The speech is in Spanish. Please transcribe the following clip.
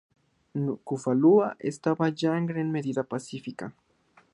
Nukualofa estaba ya en gran medida pacífica.